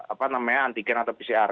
apa namanya antigen atau pcr